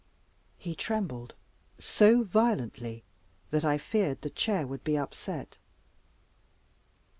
He trembled so violently, that I feared the chair would be upset.